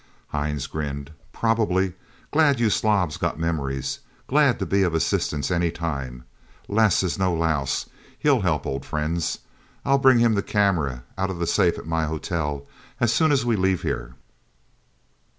Hines grinned. "Probably. Glad you slobs got memories. Glad to be of assistance, anytime. Les is no louse he'll help old friends. I'll bring him the camera, out of the safe at my hotel, as soon as we leave here..."